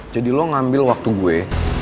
jadi lo ngambil waktu gue